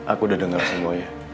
aku udah denger semuanya